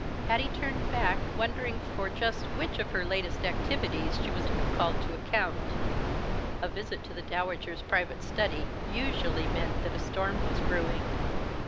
Patty turned back, wondering for just which of her latest activities she was to be called to account. A visit to the Dowager's private study usually meant that a storm was brewing.